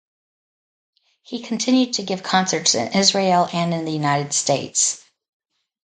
He continued to give concerts in Israel and in the United States.